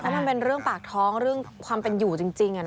มันเป็นเรื่องปากท้องเรื่องความเป็นอยู่จริง